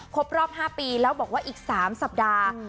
ครบรอบ๕ปีแล้วบอกว่าอีก๓สัปดาห์